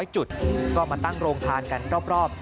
๐จุดก็มาตั้งโรงทานกันรอบ